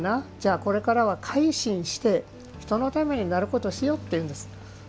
これからは改心して人のためになることをしようと言うんです。